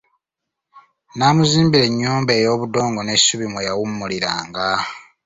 N'amuzimbira ennyumba ey'obudongo n'essubi mwe yawummuliranga.